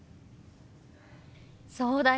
そうだよね。